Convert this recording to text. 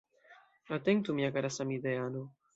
Atentu mia kara samideano.